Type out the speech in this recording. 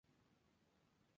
tú no partas